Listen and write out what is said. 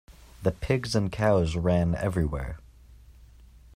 The pigs and cows ran everywhere.